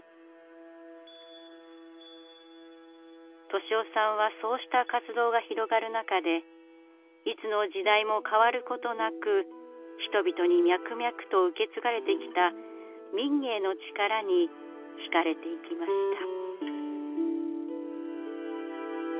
利雄さんはそうした活動が広がる中でいつの時代も変わることなく人々に脈々と受け継がれてきた民藝の力にひかれていきました。